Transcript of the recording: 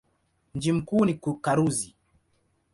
Mji mkuu ni Karuzi.